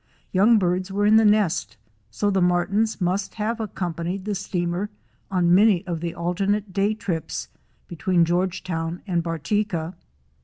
Young birds were in the nest, so the Martins must have accompanied the steamer on many of the alternate day trips between Georgetown and Bartica.